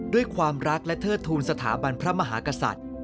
ด้วยความรักและเทิดทูลสถาบันพระมหากษัตริย์